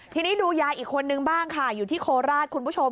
ทีนี้ดูยายอีกคนนึงบ้างค่ะอยู่ที่โคราชคุณผู้ชม